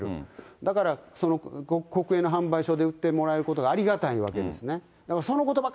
だから、その国営の販売所で売ってもらえることがありがたいわけですね。